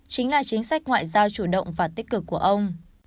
chính là chính sách ngoại giao chủ động và tích cực của ông